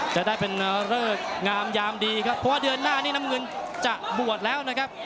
จะได้เป็นเลิกงามยามดีครับเพราะว่าเดือนหน้านี้น้ำเงินจะบวชแล้วนะครับ